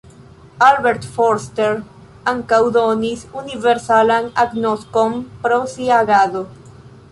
Robert Forster ankaŭ donis universalan agnoskon pro sia agado.